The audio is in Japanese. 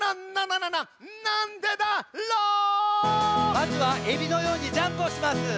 まずはエビのようにジャンプをします。